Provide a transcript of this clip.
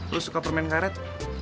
lo suka permen karet